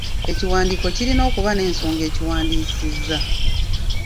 Ekiwandiiko kirina okuba n'ensonga ekiwandiisizza.